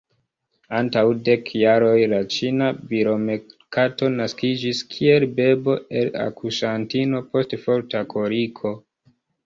Antaŭ dek jaroj la ĉina bilomerkato naskiĝis kiel bebo el akuŝantino post forta koliko.